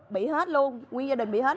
bị hết luôn nguyên gia đình bị hết